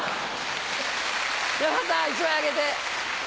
山田さん１枚あげて。